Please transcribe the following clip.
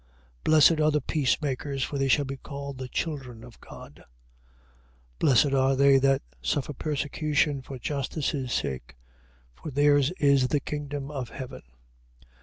5:9. Blessed are the peacemakers: for they shall be called the children of God. 5:10. Blessed are they that suffer persecution for justice' sake: for theirs is the kingdom of heaven.